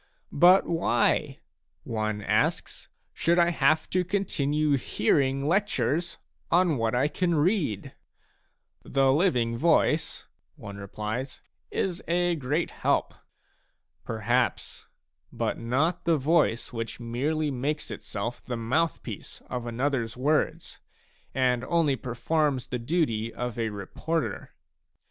But why," one asks/* " should I have to continue hearing lectures on what I can read ?"" The living voice," one replies, " is a great help." Perhaps, but not the voice which merely makes itself the mouth piece of anothers words, and only performs the duty of a reporter.